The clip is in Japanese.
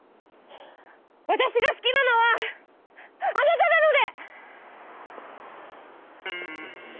私が好きなのはあなたなので！